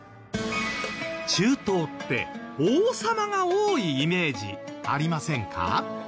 中東って王様が多いイメージありませんか？